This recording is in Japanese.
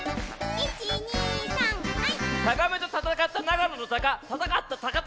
１２３はい！